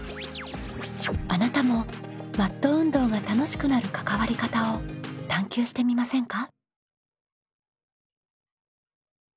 あなたもマット運動が楽しくなる関わり方を探究してみませんか？